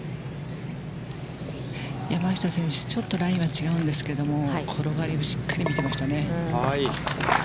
山下選手、ちょっとラインは違うんですけど、転がりをしっかり見てましたね。